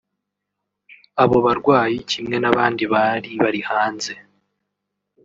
Abo barwayi kimwe n’abandi bari bari hanze